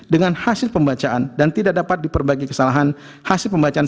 dengan hasil pembacaan dan tidak dapat diperbaiki kesalahan hasil pembacaan